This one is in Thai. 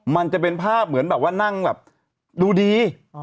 มันจะเป็นภาพเหมือนแบบว่านั่งแบบดูดี